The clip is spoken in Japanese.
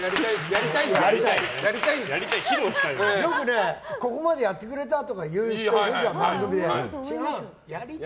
よくここまでやってくれたとか言う人いるじゃん、番組で。